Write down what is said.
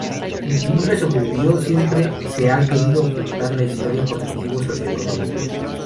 Aunque el nombre sobrevivió, siempre se ha querido ocultar la historia por motivos socioeconómicos.